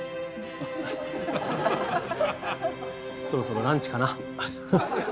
そろそろランチかな。